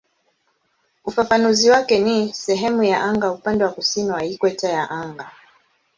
Ufafanuzi wake ni "sehemu ya anga upande wa kusini wa ikweta ya anga".